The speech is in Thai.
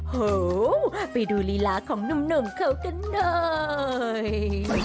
โหไปดูลีลาของหนุ่มเขากันหน่อย